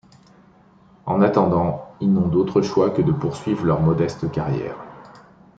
En attendant, ils n'ont d'autres choix que de poursuivre leur modeste carrière.